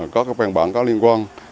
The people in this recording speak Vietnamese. có các bàn bản có liên quan